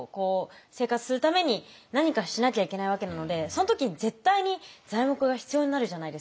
生活するために何かしなきゃいけないわけなのでその時に絶対に材木が必要になるじゃないですか。